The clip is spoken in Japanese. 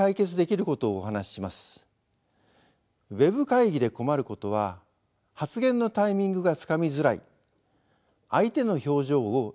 ＷＥＢ会議で困ることは「発言のタイミングがつかみづらい」「相手の表情を読み取りづらい」。